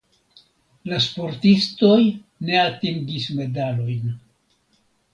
La sportistoj ne atingis medalojn.